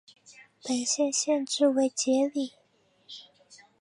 本县县治为杰里。